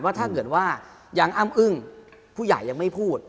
ถ้าเกิดว่ายังอ้ำอึ้งผู้ใหญ่ยังไม่พูด